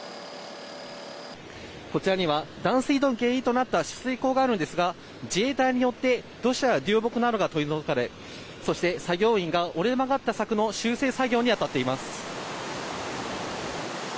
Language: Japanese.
こちらには断水の原因となった取水口があるんですが自衛隊によって土砂、流木などが取り除かれそして作業員が折れ曲がった柵の修正作業に当たっています。